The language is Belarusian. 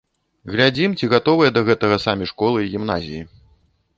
Глядзім, ці гатовыя да гэтага самі школы і гімназіі.